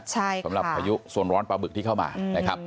ใช่ค่ะสำหรับอายุส่วนร้อนปลาบึกที่เข้ามาอืมนะครับ